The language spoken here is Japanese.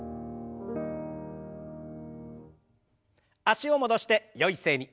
脚を戻してよい姿勢に。